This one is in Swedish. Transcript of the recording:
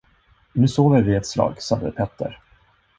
Nu sover vi ett slag, sade Petter.